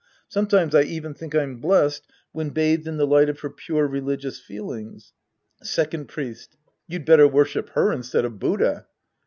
Sometimes I even think I'm blessed when bathed in the light of her pure religious feelings. Second Priest. You'd better worship her instead of Buddha.